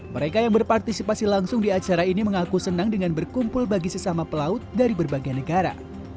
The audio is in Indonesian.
mereka yang berpartisipasi langsung di acara ini mengaku senang dengan berkumpul bagi sesama pelaut dari berbagai negara